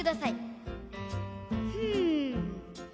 ふん。